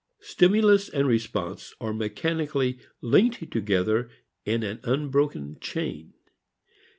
Stimulus and response are mechanically linked together in an unbroken chain.